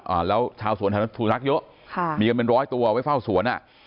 อ่าแล้วชาวสวนแถวนั้นสุนัขเยอะค่ะมีกันเป็นร้อยตัวไว้เฝ้าสวนอ่ะ